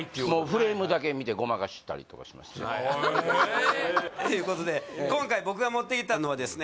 フレームだけ見てごまかしてたりとかしますねていうことで今回僕が持ってきたのはですね